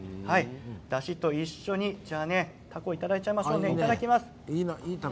だしと一緒にたこをいただいちゃいますね。